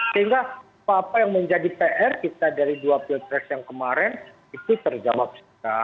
sehingga apa apa yang menjadi pr kita dari dua pilpres yang kemarin itu terjawab